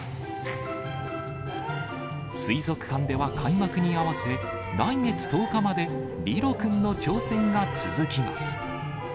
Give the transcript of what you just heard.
水族館では開幕に合わせ、来月１０日までリロくんの挑戦が続きます。